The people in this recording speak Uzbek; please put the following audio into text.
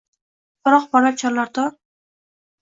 Biroq porlab chorlar to